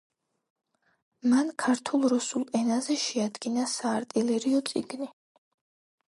მან ქართულ-რუსულ ენაზე შეადგინა საარტილერიო წიგნი.